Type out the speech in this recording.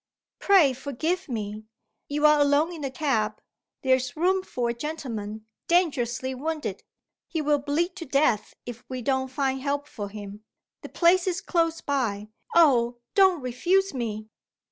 "Pray forgive me you are alone in the cab there is room for a gentleman, dangerously wounded he will bleed to death if we don't find help for him the place is close by oh, don't refuse me!"